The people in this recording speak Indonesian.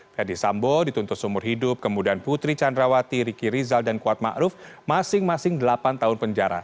fede sambo dituntut seumur hidup kemudian putri candrawati riki rizal dan kuat ma'ruf masing masing delapan tahun penjara